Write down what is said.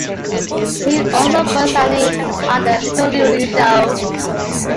He also voiced Annie on "The Little Lulu Show".